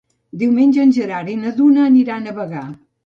Diumenge en Gerard i na Duna aniran a Bagà.